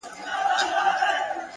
لوړ لید د واټنونو مانا بدلوي؛